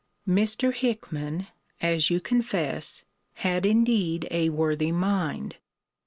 Mr. Hickman (as you confess) had indeed a worthy mind.